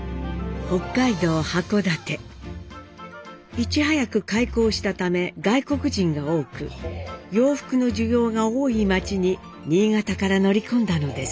いち早く開港したため外国人が多く洋服の需要が多い街に新潟から乗り込んだのです。